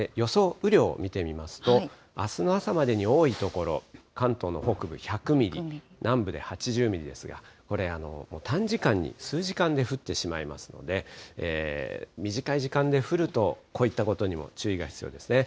雨量を見てみますと、あすの朝までに多い所、関東の北部１００ミリ、南部で８０ミリですが、これ、短時間に、数時間で降ってしまいますので、短い時間で降るとこういったことにも注意が必要ですね。